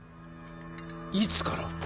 いつから？